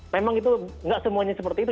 memang itu nggak semuanya seperti itu